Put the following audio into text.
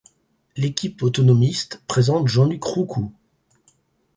L'Équipe autonomiste présente Jean-Luc Rouckout.